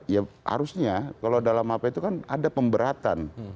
ya harusnya kalau dalam apa itu kan ada pemberatan